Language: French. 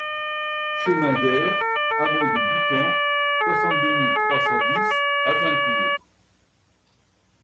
Chemin d'Aire Hameau de Bucamps, soixante-deux mille trois cent dix Azincourt